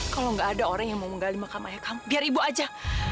kalau nggak ada orang yang mau menggali makam ayah kamu biar ibu aja